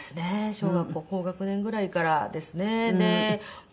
小学校高学年ぐらいからですね。